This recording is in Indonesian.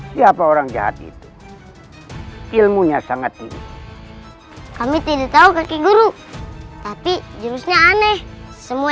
siapa orang jahat itu ilmunya sangat tinggi kami tidak tahu kaki guru tapi jurusnya aneh semua